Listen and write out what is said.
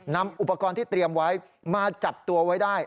นำอุปกรณ์ที่เตรียมไว้มาจับตัวไว้ได้